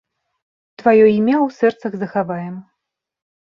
Тваё імя ў сэрцах захаваем.